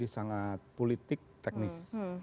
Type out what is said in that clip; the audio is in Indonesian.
sangat politik teknis